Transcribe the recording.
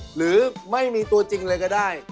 หรือไม่มีตัวจริงเลยก็ได้